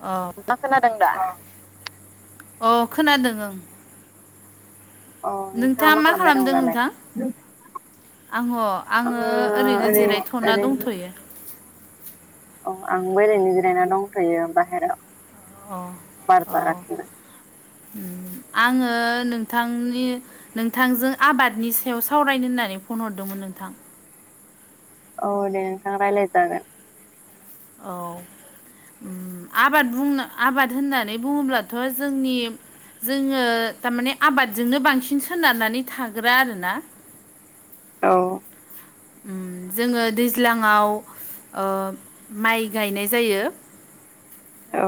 औ नोंथां खोनादों दा? अ खोनादों ओं औ नोंथाङा मा खालामबाय दं खालामदों दालाय नोंथां आहङो आङो ओरैनो ओरै जिरायथ'ना ओरैनो दंथ'यो। औ आंबो ओरैनो जिरायना दंथ'यो बाहेरायाव अ बार अ जागासिनो ओम आङो नोंथांनि नोंथांजों आबादनि सायाव सावरायनो होननानै फन हरदोंमोन नोंथां औ दे राइलाय जागोन औ उम आबाद बुंनो आबाद होननानै बुङोब्लाथ' जोंनि जोङो तामाने आबादजोंनो बांसिन सोनारनानै थाग्रा आरोना औ उम जोङो दैज्लाङाव ओ माइ गायनाय जायो। औ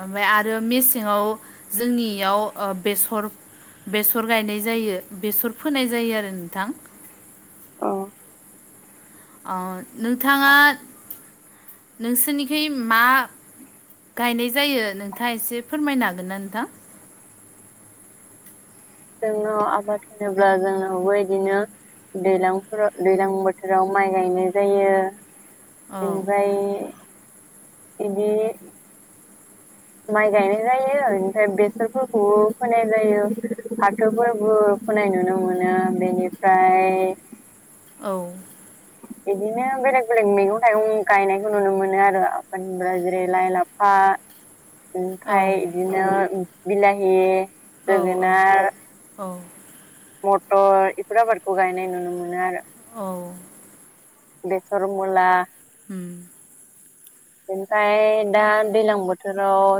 ओमफाय आरो मेसेङाव जोंनियाव ओ बेसर बेसर गायनाय जायो बेसर फोनाय जायो आरो नोंथां अ अ नोंथाङा नोंसोरनिखाय मा गायनाय जायो नोंथाङा एसे फोरमायनो हागोन ना नोंथां जोंनाव आबाद होनोब्ला जोंनावबो इदिनो दैलांफोराव दैलां बोथोराव माइ गायनाय जायो। औ बिनिफ्राय इदि माइ गायनाय जायो ओमफाय बेसरफोरखौबो फोनाय जायो फाथोफोरबो फोनाय नुनो मोनो बेनिफ्राय औ बिदिनो बेलेग बेलेग मैगं थाइगं गायनायखौ नुनो मोनो आरो आफाना जेरै लाइ, लाफा [inaudible] ओमफाय बिदिनो बिलाहि औ औ जोगोनार औ मटर इफोर आबादखौ गायनाय नुनो मोनो आरो औ बेसर, मुला उम ओमफाय दा दैलां बोथोराव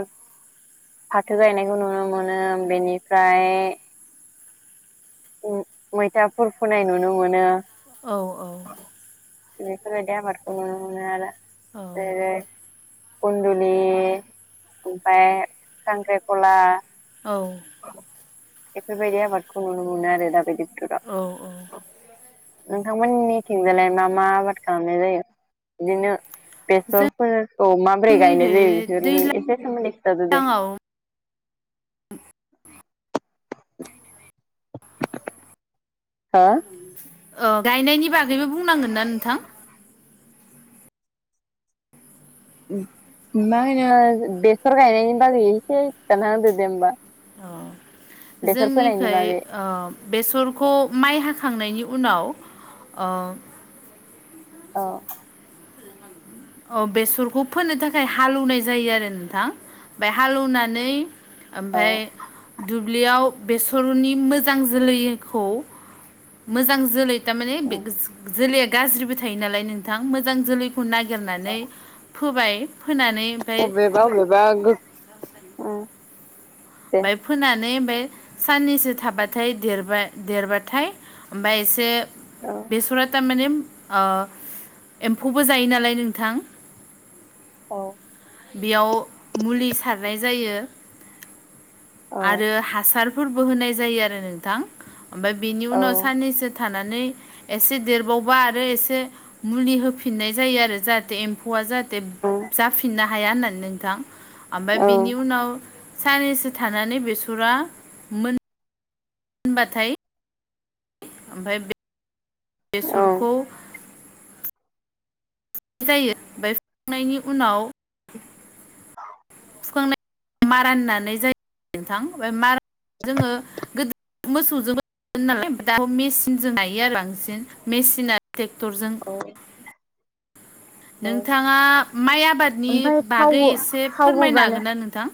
फाथो गायनायखौ नुनो मोनो बेनिफ्राय मैथाफोर फोनाय नुनो मोनो औ औ बेफोरबादि आबादखौ नुनो मोनो आरो औ [unintelligible] खन्दुलि ओमफाय खांख्रिखला औ बेफोरबायदि आबादखौ नुनो मोनो आरो दा बादि औ नोंथांमोननि नोंसोरनिथिंजालाय मा मा आबाद खालामनाय जायो बिदिनो बेसर अ माबोरै जोंनिखै गायनाय जायो बेसोरनि एसे सोमोन्दै खिथादोदे दैज्लाङाव हा अ गायनायनि बागैबो बुंनांगोन ना नोंथां मा होनो बेसर गायनायनि बागै एसे खिन्थाना होदो दे होमबा अ बेसर फोनायनि जोंनिखै बागै ओम बेसरखौ माइ हाखांनायनि उनाव ओम औ अ बेसरखौ फोनो थाखाय हालौवनाय जायो आरो नोंथां फाय हालौवनानै औ ओमफ्राय दुब्लियाव बेसरनि मोजां जोलैखौ मोजां जोलै थारमाने जोलैया गाज्रिबो थायो नालाय नोंथां मोजां जोलैखौ नागिरनानै फोबाय फोनानै ओमफ्राय अबेेबा अबेबा गो दे बाय फोनानै ओमफ्राय साननैसो थाबाथाय देरबाय देरबाथाय ओमफ्राय एसे औ बेसरा थारमाने एम्फौबो जायो नालाय नोंथां औ बेयाव मुलि सारनाय जायो औ आरो हासारफोरबो होनाय जायो आरो नोंथां ओमफ्राय बेनि औ उनाव साननैसो थानानै एसे देरबावबा आरो एसे मुलि होफिननाय जायो आरो जाहाथे एम्फौआ जाहाथे जाफिननो हाया होननानै नोंथां ओमफ्राय औ बिनि उनाव साननैसो थानानै बेसरा मोन होनबाथाय ओमफ्राय औ बेसरखौ नाय जायो ओमफ्राय फुखांनायनि उनाव [inaudible] फुखांनाय मारान नानाय जायो नोंथां मार जोङो गोदो मोसौजोंबो नालाय दा मेसिनजों नायो आरो बांसिन मेसिना ट्रेक्टर जों [inaudible] नोंथाङा माइ आबादनि ओमफ्राय बागै थावबो एसे थावबो फोरमायनो बानो हागोन ना नोंथां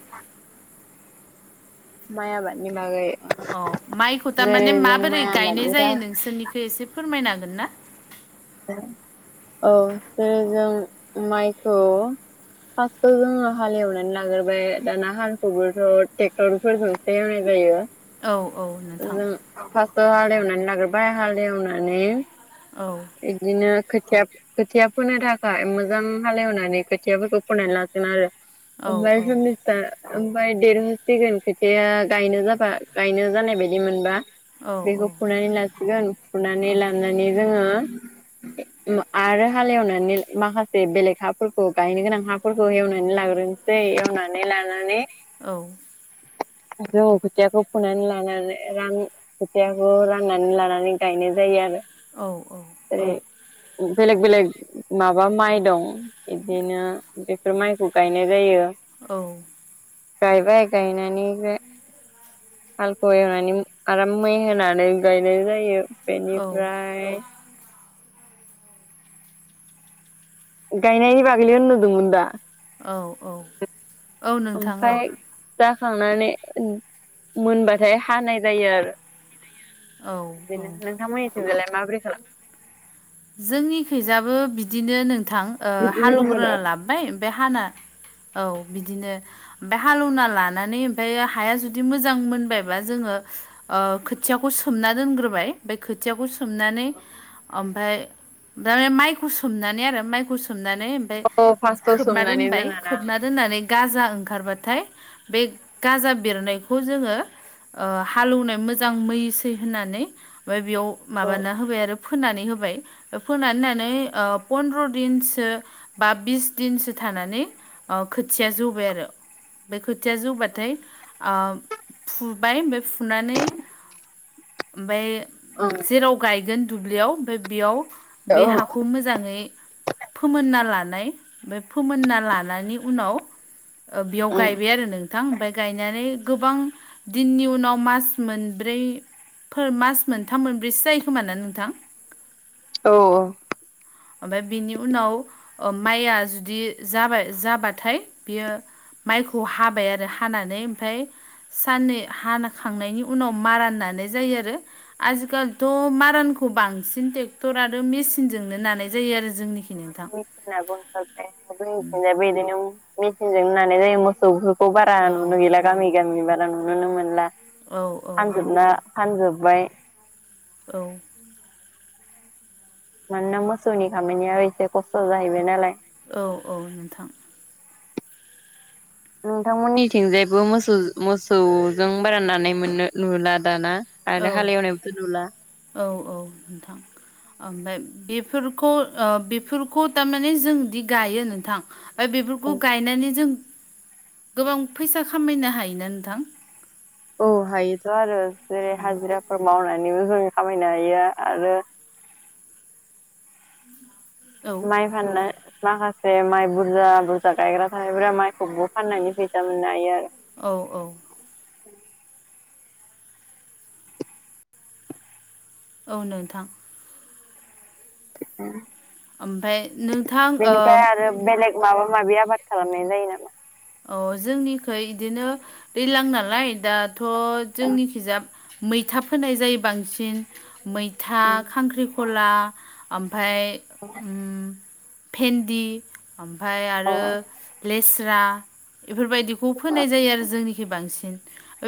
माइ आबादनि बागै औ माइखौ जेरै थारमाने जों माबोरै माइ गायनाय आबादनिखौ जायो नोंसोरनिखै एसे फोरमायनो हागोन ना औ जे जों माइखौ फार्स्टआव जोङो हाल एवनानै लाग्रोबाय दाना हालखौबोथ' ट्रेक्टरफोरजों एवनाय जायो औ औ नोंथां जों फार्स्टआव हाल एवनानै लाग्रोबाय हाल एवनानै औ बिदिनो खोथिया खोथिया फोनो थाखाय मोजां हाल एवनानै खोथियाफोरखौ फोनानै लासिगोन आरो औ ओमफ्राय जोंनिजा ओमफ्राय देरहोसिगोन खोथिया गायनो जाबा गायनो जानाय बायदि मोनबा औ बेखौ औ फुनानै लासिगोन फुनानै लानानै जोङो [inaudible] आरो हालएवनानै माखासे बेलेग हाफोरखौ गायनो गोनां हाफोरखौ एवनानै लाग्रोनो एवनानै लानानै औ जोङो खोथियाखौ फुनानै लानानै रां खेथियाखौ राननानै लानानै गायनाय जायो आरो औ औ बेलेग बेलेग माबा माइ दं बिदिनो बेफोर माइखौ गायनाय जायो। औ गायबाय गायनानैबो हालखौ एवनानै आराम मै होनानै गायनाय जायो औ बेनिफ्राय गायनायनि बागलि होन नुदोंमोन दा औ औ औ नोंथां औ ओमफ्राय जाखांनानै मोनबाथाय हानाय जायो आरो औ बेनो औ नोंथां मिनिथिंजालाय माबोरै खालाम जोंनिखैजाबो बिदिनो नोंथां ओ हालवग्रा लाबोबाय ओमफ्राय हाना औ बिदिनो ओमफफ्राय हालेवना लानानै ओमफ्राय हाया जुदि मोजां मोनबायबा जोङो ओ खोथियाखौ सोमना दोनग्रोबाय ओमफ्राय खोथियाखौ सोमनानै ओमफ्राय दा माइखौ सोमनानै आरो माइखौ सोमनानै ओमफफ्राय औ फार्स्टआव खोबना सोमनानै दोनबाय दोनोना खोबना दोननानै गाजा ओंखारबाथाय बे गाजा बेरनायखौ जोङो ओ हालौवनाय मोजां मैसै होननानै ओमफ्राय बेयाव ओं माबाना होबाय आरो फोनानै होबाय फोनानै होनानै ओ फनद्र दिनसो बा बिस दिनसो थानानै ओ खोथिया जौबाय आरो बे खोथिया जौबाथाय ओ फुबाय ओमफफ्राय फुनानै ओमफ्राय जेराव गायगोन दुब्लियाव ओमफ्राय बेयाव बे ओं हाखौ मोजाङै फोमोनना लानाय बे फोमोनना लानायनि उनाव ओ बेयाव गायबाय आरो नोंथां ओमफफ्राय गायनानै गोबां दिननि उनाव मास मोनब्रैफोर मास मोनथाम मोनब्रैसो जायो खोमा ना नोंथां औ ओमफ्राय बिनि उनाव ओ माइआ जुदि जाबाय जाबाथाय बियो माइखौ हाबाय आरो हानानै ओमफ्राय साननै हानाखांनायनि उनाव मारा नानाय जायो आरो आजिखाालथ' मारानखौ बांसिन ट्रेक्टर आरो मेसिनजोंनो नानाय जायो आरो जोंनि मेसिनाबो ओंखारबाय जोंनिथिंजायबो बिदिनो मेचनजों नानाय जायो मोसौ खौ बारा औ नुनो गैला गामि गामि बारा नुुनोनो मोनला औ औ फानजोबना फानजोब्बाय औ मानोना मोसौनि खामानिया एसे खस्थ' जाहैबाय नालाय औ औ नोंथां नोंथांमोननिथिंजायबो मोसौ मोसौजों बारानानाय मोननो नुला दाना औ आरो हाल एवनायबोथ' नुला औ औ नोंथां ओमफ्राय बेफोरखौ बेफोरखौ थारमाने जोंदि गायो नोंथां ओमफ्राय औ बेफोरखौ गायनानै जों गोबां फैसा खामायनो हायोना नोंथां? औ हायोथ' आरो जेरै हाजिराफोर मावनानैबो जों खामायनो हायो आरो औ माइ फाननो माखासे माइ बुरजा बुरजा गायग्रा थनायफोरा माइखौबो फाननायनि फैसा मोननो हायो आरो औ औ औ नोंथां ओम ओमफाय नोंथां ओ आरो बेलेग माबा माबि आबाद खालामनाय जायो नामा अ जोंनिखै बिदिनो दै्लां नालाय दाथ' जोंनि खिजाब मैथा फोनाय जायो बांसिन मैथा नामा खांख्रिखला ओमफाय ओम भेन्दि ओमफ्राय अ आरो औ लेस्रा बेफोरबायदिखौ फोनाय जायो आरो जोंनिखि बांसिन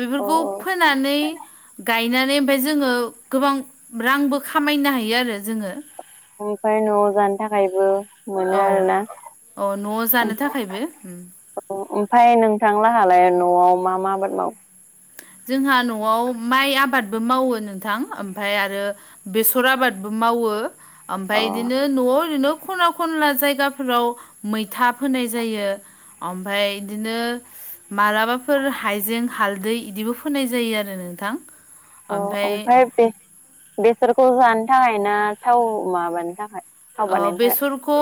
बेफोरखौ औ फोनानै गायनानै ओमफाय जोङो गोबां रांबो खामायनो हायो आरो जोङो मफ्राय न'आव जानो थाखायबो मोनो औ आरोना औ न'आव जानो थाखायबो उम औ ओमफ्राय नोंथांलाहालाय न'आव मा मा आबाद माव जोंहा न'आव माइ आबादबो मावो नोंथां ओमफ्राय आरो बेसर आबादबो मावो ओमफ्राय अ बिदिनो न'आव ओरैनो खना खनला जायगाफोराव मैथा फोनाय जायो ओमफ्राय बिदिनो मालाबाफोर हायजें हालदै बिदिबो फोनाय जायो आरो नोंथां अ ओमफ्राय बे बेसरखौ जानो थाखाय ना थाव माबानो थाखाय थाव ओ बानायनो थाखाय बेसरखौ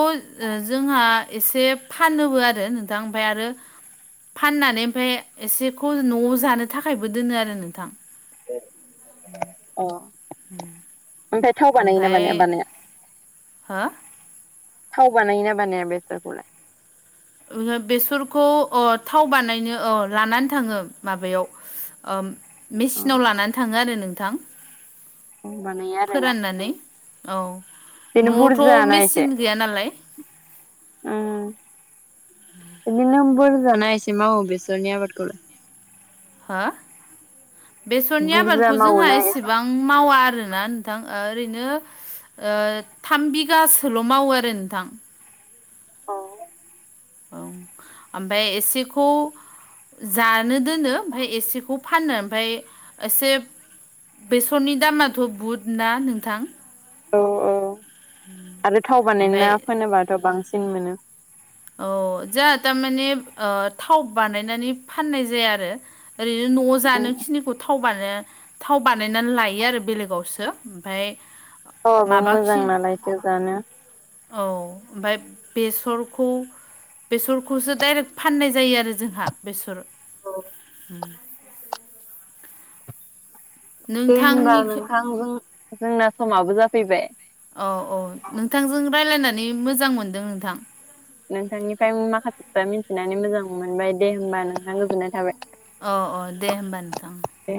जोंहा एसे फानोबो आरो नोंथां ओमफ्राय आरो फाननानै ओमफ्राय एसेखौ न'आव जानो थाखायबो दोनो आरो नोंथां अ ओमफ्राय थाव बानायोना ओमफ्राय बानाया बानाया हो थाव बानायो ना बानाया बेसरखौलाय बेसरखौ अ थाव बानायनो अ लानानै थाङो माबायाव मेचिनाव अ लानानै थाङो आरो नोंथां बानायो आरोना फोराननानै औ बिदिनो न'आवथ' बुरजाना मेचिन गैया नालाय ओम बिदिनो बुरजा ना एसे मावो बेसरनि आबादखौलाय हो बेसरनि बुरजा आबादखौ जोंहा मावोना एसे एसेबां मावा आरोना नोंथां ओरैनो थाम बिगासोल' मावो आरो नोंथां औ ओं ओमफ्राय एसेखौ जानो दोनो ओमफ्राय एसेखौ फाननो ओमफ्राय एसे बेसरनि दामाथ' बुहुद ना नोंथां औ औ आरो थाव बानायनो ना ओमफ्राय फोनोबाथ' बांसिन मोनो औ जों थारमाने थाव बानायनानै फाननाय जाया आरो ओरैनो न' जानो खिनिखौथ थाव थाव बानायनानै लायो आरो बेलेगावसो ओमफ्राय रावाबो मोजां माबाखि नालाय बेखौ जानो औ ओमफ्राय बेसर खौ बेसरखौसो दाइरेक्ट फाननाय जायो आरो जोंहा बेसर औ उ दे होनबा नोंथांनि नोंथां जोंना समाबो जाफैबाय औ औ नोंथांजों रायज्लायनानै मोजां मोनदों नोंथां नोंथांनिफ्राय माखासे खोथा मिथिनानै मोजां मोनबाय दे होमबा नोंथां गोजोननाय थाबाय अ औ दे होमबा नोंथां दे